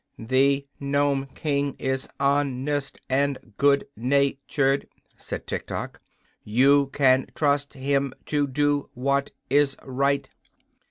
"The Nome King is hon est and good na tured," said Tiktok. "You can trust him to do what is right."